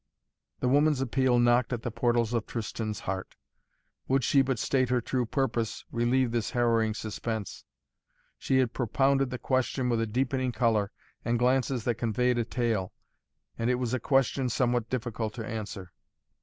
The woman's appeal knocked at the portals of Tristan's heart. Would she but state her true purpose, relieve this harrowing suspense. She had propounded the question with a deepening color, and glances that conveyed a tale. And it was a question somewhat difficult to answer.